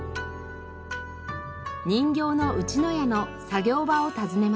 人形の内野屋の作業場を訪ねました。